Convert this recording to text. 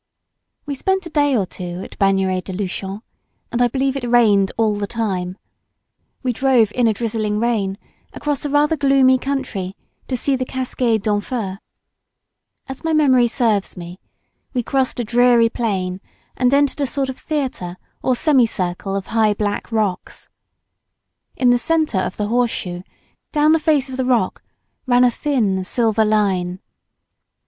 We spent a day or two at Bagnères de Lnchon, and I believe it rained all the time. We drove in a drizzling rain across a rather gloomy country, to see the Cascade d'Enfer. As my memory serves me, we crossed a dreary plain and entered a sort of theatre, or semi circle of high black rocks. In the centre of the horse shoe, down the face of the rock, ran a thin silver line.